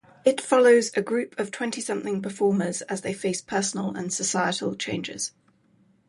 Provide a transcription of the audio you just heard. It follows a group of twenty-something performers as they face personal and societal changes.